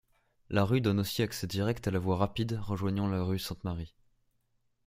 La rue donne aussi accès direct à la voie rapide rejoignant la rue Sainte-Marie.